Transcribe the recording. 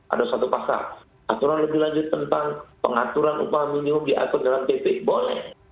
ada satu pasal aturan lebih lanjut tentang pengaturan upah minimum diatur dalam pp boleh